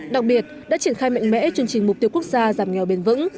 đặc biệt đã triển khai mạnh mẽ chương trình mục tiêu quốc gia giảm nghèo bền vững